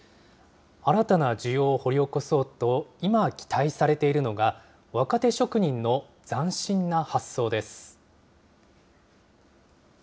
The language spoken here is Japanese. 新たな需要を掘り起こそうと、今、期待されているのが若手職人の斬新な発想です。